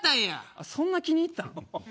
あっそんな気に入ったん？